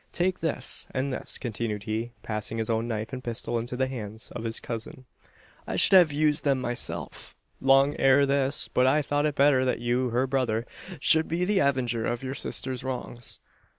Take this, and this," continued he, passing his own knife and pistol into the hands of his cousin. "I should have used them myself, long ere this; but I thought it better that you her brother should be the avenger of your sister's wrongs.